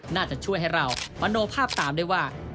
น่าจะช่วยให้เรามโนภาพตามได้ว่า